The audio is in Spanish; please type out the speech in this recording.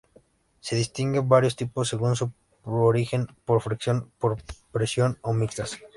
Se distinguen varios tipos según su origen: por fricción, por presión o mixtas.